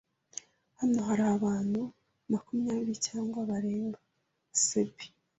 Hano hari abantu makumyabiri cyangwa barenga. (saeb)